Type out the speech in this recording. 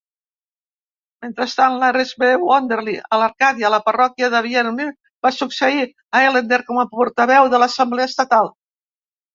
Mentrestant, Lorris M. Wimberly, d'Arcàdia, a la parròquia de Bienville, va succeir a Ellender com a portaveu de l'Assemblea estatal.